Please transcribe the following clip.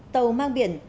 tàu mang biển